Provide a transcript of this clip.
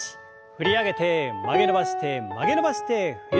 振り上げて曲げ伸ばして曲げ伸ばして振り下ろす。